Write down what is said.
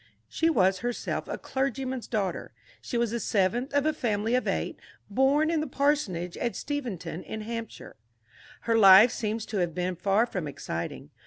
She was herself a clergyman's daughter. She was the seventh of a family of eight, born in the parsonage at Steventon, in Hampshire. Her life seems to have been far from exciting.